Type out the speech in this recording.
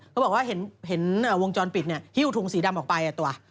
เขาบอกว่าเห็นวงจรปิดฮิ้วถุงสีดำออกไปตัว